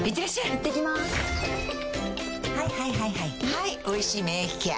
はい「おいしい免疫ケア」